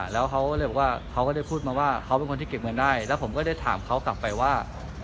แล้วเขาเลยบอกว่าเขาก็ได้พูดมาว่าเขาเป็นคนที่เก็บเงินได้แล้วผมก็ได้ถามเขากลับไปว่า